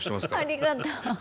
ありがとう。